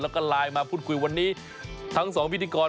แล้วก็ไลน์มาพูดคุยวันนี้ทั้งสองพิธีกร